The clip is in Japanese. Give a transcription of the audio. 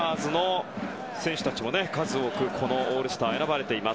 ファイターズの選手たちも数多く、このオールスターに選ばれています。